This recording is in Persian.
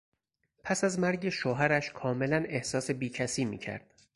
پس از مرگ شوهرش کاملا احساس بیکسی میکرد.